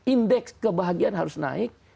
indeks kebahagiaan harus naik